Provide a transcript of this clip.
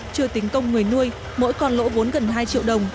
chưa tính công người nuôi mỗi con lỗ vốn gần hai triệu đồng